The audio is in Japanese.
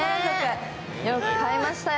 よく買いましたよ。